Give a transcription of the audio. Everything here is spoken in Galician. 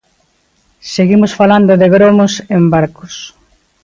Seguimos falando de gromos en barcos.